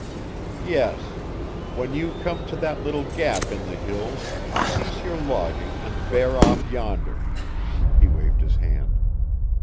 "Yes. When you come to that little gap in the hills, cease your logging and bear off yonder." He waved his hand.